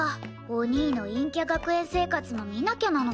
お兄の陰キャ学園生活も見なきゃなのかー。